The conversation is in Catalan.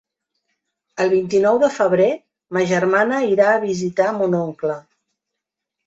El vint-i-nou de febrer ma germana irà a visitar mon oncle.